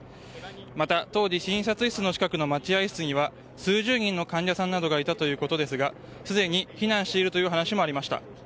また、当時診察室の近くの待合室には数十人の患者さんなどがいたということですがすでに避難しているという話もありました。